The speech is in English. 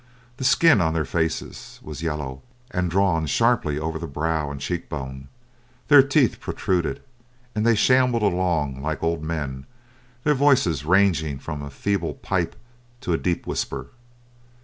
The skin on their faces was yellow, and drawn sharply over the brow and cheekbones; their teeth protruded, and they shambled along like old men, their voices ranging from a feeble pipe to a deep whisper.